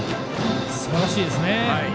すばらしいですね。